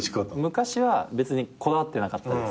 昔は別にこだわってなかったです。